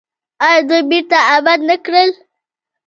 آیا دوی بیرته اباد نه کړل؟